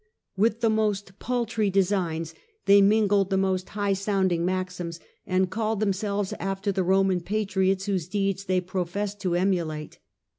With the most paltry de signs they mingled the most high sounding maxims, and called themselves after the Roman patriots whose deeds they professed to emulate.